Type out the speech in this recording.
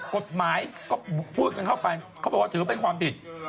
กฎหมายก็พูดกันเข้าไปเขาบอกว่าถือเป็นความผิด